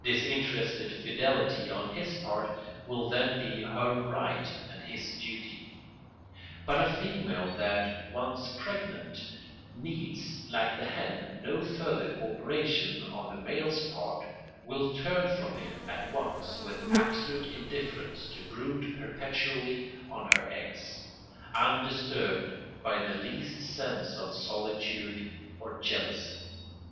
Disinterested fidelity on his part will then be her right and his duty. But a female that, once pregnant, needs, like the hen, no further co operation on the male's part will turn from him at once with absolute indifference to brood perpetually on her eggs, undisturbed by the least sense of solitude or jealousy.